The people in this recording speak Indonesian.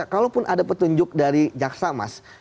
kalaupun ada petunjuk dari jaksa mas